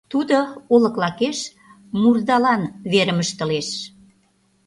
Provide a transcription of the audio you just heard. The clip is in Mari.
Тудо олык лакеш мурдалан верым ыштылеш.